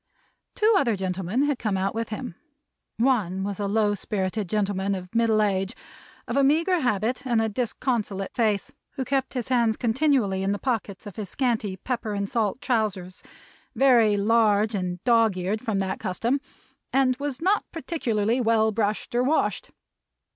Two other gentlemen had come out with him. One was a low spirited gentleman of middle age, of a meagre habit, and a disconsolate face; who kept his hands continually in the pockets of his scanty pepper and salt trousers, very large and dog's eared from that custom; and was not particularly well brushed or washed.